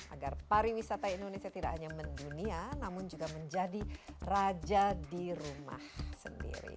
agar pariwisata indonesia tidak hanya mendunia namun juga menjadi raja di rumah sendiri